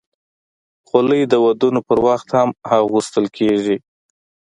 خولۍ د ودونو پر وخت هم اغوستل کېږي.